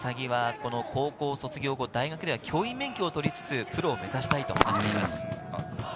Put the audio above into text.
笠置は高校卒業後、大学では教員免許を取りつつ、プロを目指したいと話しています。